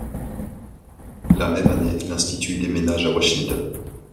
La même année, l'institut déménage à Washington.